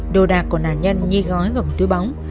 đồ đạc của nạn nhân nhi gói vào một túi bóng